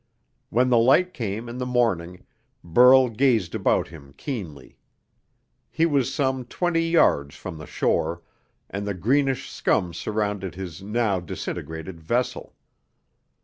When the light came in the morning, Burl gazed about him keenly. He was some twenty yards from the shore, and the greenish scum surrounded his now disintegrating vessel.